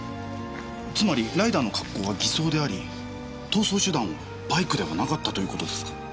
つまりライダーの格好は偽装であり逃走手段はバイクではなかったという事ですか？